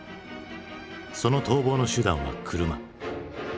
その逃亡の手段は車。